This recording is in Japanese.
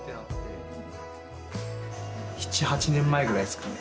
７８年前ぐらいですかね。